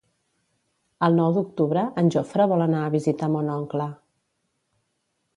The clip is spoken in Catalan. El nou d'octubre en Jofre vol anar a visitar mon oncle.